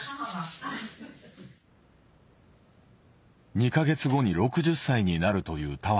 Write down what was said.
２か月後に６０歳になるという俵。